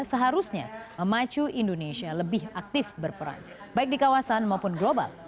seharusnya memacu indonesia lebih aktif berperan baik di kawasan maupun global